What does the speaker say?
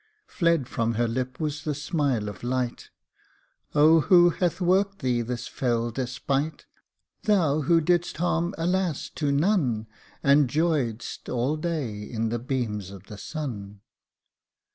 Fled from her lip was the smile of light :" Oh ! who hath worked thee this fell despite! Thou who did'st harm, alas ! to none, But joyed'st all day in the beams of the sun